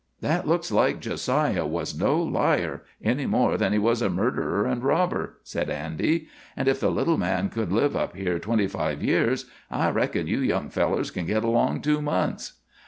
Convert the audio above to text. "That looks like Jo siah was no liar, any more than he was a murderer and robber," said Andy; "and if the little man could live up here twenty five years, I reckon you young fellers can get along two months."